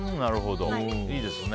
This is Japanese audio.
いいですね。